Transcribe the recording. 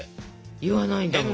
言わないんだもん。